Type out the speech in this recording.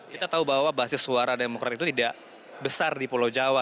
kita tahu bahwa basis suara demokrat itu tidak besar di pulau jawa